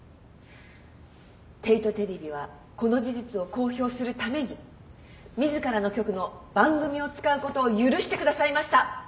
帝都テレビはこの事実を公表するために自らの局の番組を使うことを許してくださいました。